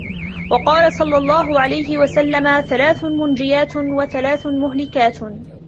وَقَالَ صَلَّى اللَّهُ عَلَيْهِ وَسَلَّمَ ثَلَاثٌ مُنْجِيَاتٌ ، وَثَلَاثٌ مُهْلِكَاتٌ